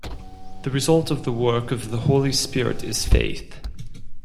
The result of the work of the Holy Spirit is faith.